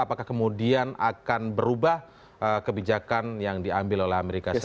apakah kemudian akan berubah kebijakan yang diambil oleh amerika serikat